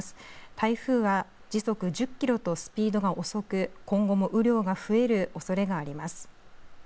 台風は時速１０キロとスピードが遅く今後の雨量が増えるおそれがあります。